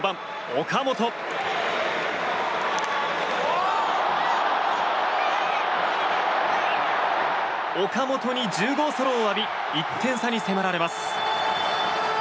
岡本に１０号ソロを浴び１点差に迫られます。